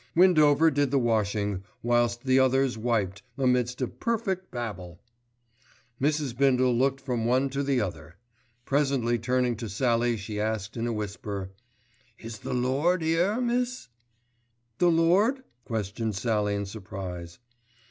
Windover did the washing, whilst the others wiped, amidst a perfect babel. Mrs. Bindle looked from one to the other. Presently turning to Sallie she asked in a whisper, "Is the lord here, miss?" "The lord?" questioned Sallie in surprise.